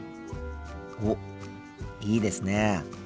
おっいいですね。